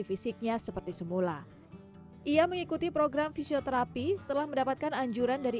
fisiknya seperti semula ia mengikuti program fisioterapi setelah mendapatkan anjuran dari